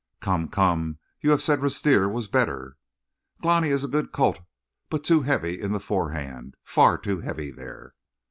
"Come, come! You have said Rustir was better." "Glani is a good colt, but too heavy in the forehand. Far too heavy there."